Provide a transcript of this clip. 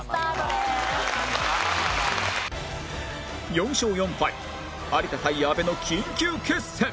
４勝４敗有田対阿部の緊急決戦